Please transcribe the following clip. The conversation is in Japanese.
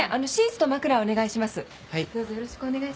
はい。